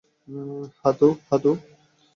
হ্যাঁ, তো?